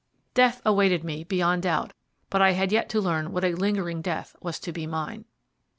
Death awaited me beyond doubt, but I had yet to learn what a lingering death was to be mine.